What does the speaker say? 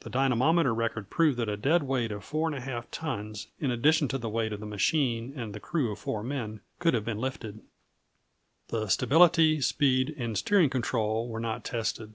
The dynamometer record proved that a dead weight of 4½ tons, in addition to the weight of the machine and the crew of 4 men, could have been lifted. The stability, speed, and steering control were not tested.